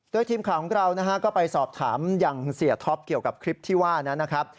โดยทีมข่าวของเรานะฮะก็ไปสอบถามอย่างเสียท็อปเกี่ยวกับคลิปที่ว่านั้นนะครับ